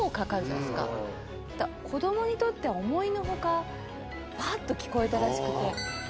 子供にとっては思いの外バッと聞こえたらしくて。